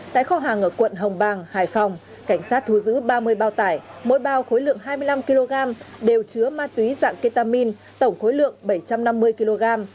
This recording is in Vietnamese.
tại kho hàng ở quận hồng bàng hải phòng cảnh sát thu giữ ba mươi bao tải mỗi bao khối lượng hai mươi năm kg đều chứa ma túy dạng ketamin tổng khối lượng bảy trăm năm mươi kg